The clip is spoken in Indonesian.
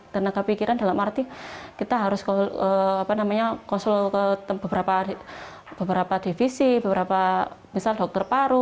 tenaga pikiran dalam arti kita harus konsul ke beberapa divisi beberapa misal dokter paru